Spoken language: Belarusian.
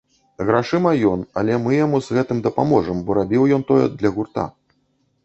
Грашыма ён, але мы яму з гэтым дапаможам, бо рабіў ён тое для гурта.